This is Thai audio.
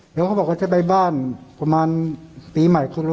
เดี๋ยวเขาบอกว่าจะไปบ้านประมาณปีใหม่คนละ